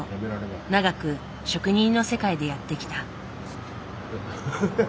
長く職人の世界でやってきた。